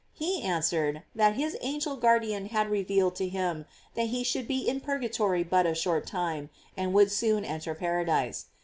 He answered, that his angel guardian had re yealed to him that he should be in purgatory but a short time, and would soon enter paradise.